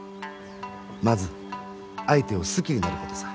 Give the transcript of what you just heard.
まず相手を好きになることさ。